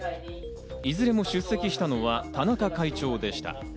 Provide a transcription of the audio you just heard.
いずれも出席したのは田中会長でした。